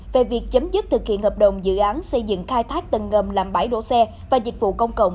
về việc chấm dứt thực hiện hợp đồng dự án xây dựng khai thác tầng ngầm làm bãi đổ xe và dịch vụ công cộng